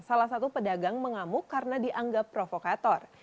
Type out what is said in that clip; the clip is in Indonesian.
salah satu pedagang mengamuk karena dianggap provokator